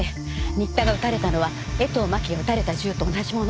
新田が撃たれたのは江藤真紀が撃たれた銃と同じもの。